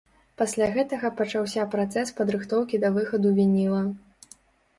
Пасля гэтага пачаўся працэс падрыхтоўкі да выхаду вініла.